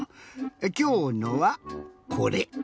きょうのはこれ。